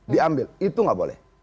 diambil itu gak boleh